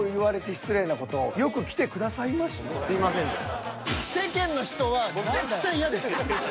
すいませんでした。